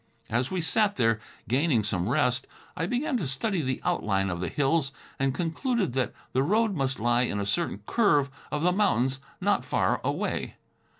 As we sat there, gaining some rest, I began to study the outline of the hills, and concluded that the road must lie in a certain curve of the mountains not far away.